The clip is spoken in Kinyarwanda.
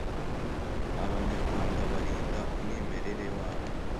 Abanyarwanda barinda umwimerere wabo